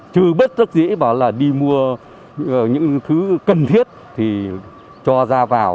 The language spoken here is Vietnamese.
chứ bất rất dễ bảo là đi mua những thứ cần thiết thì cho ra vào